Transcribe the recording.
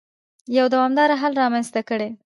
يو دوامدار حل رامنځته کړي.